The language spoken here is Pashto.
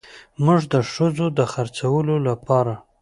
موږ د ښځو د خرڅولو لپاره